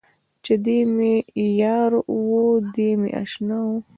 چې دی مې یار و دی مې اشنا و.